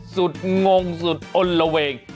สุดงงสุดอ้นละเวง